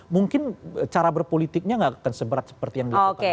mungkin cara berpolitiknya tidak akan seberat seperti yang diperlukan oleh pak sby